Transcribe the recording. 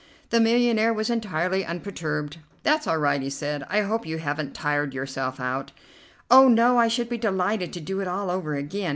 The millionaire was entirely unperturbed. "That's all right," he said. "I hope you haven't tired yourself out." "Oh, no! I should be delighted to do it all over again!